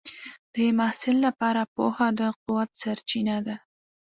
د محصل لپاره پوهه د قوت سرچینه ده.